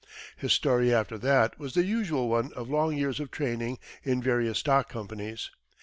His story, after that, was the usual one of long years of training in various stock companies.